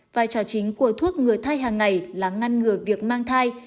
vai trò chính của thuốc ngừa thai hàng ngày là ngăn ngừa việc mang thai